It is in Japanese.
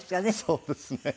そうですね。